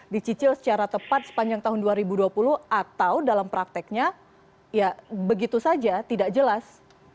dicicil secara tepat sepanjang tahun dua ribu dua puluh atau dalam prakteknya ya begitu saja tidak jelas